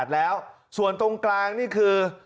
แล้วส่วนตรงกลางนี่คือ